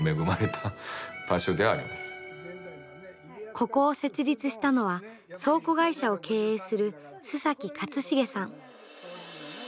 ここを設立したのは倉庫会社を経営する須崎勝茂さん。